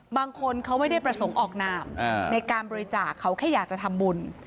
บางคนเขาไม่ได้ประสงค์ออกนามในการบริจาคเขาแค่อยากจะทำบุญ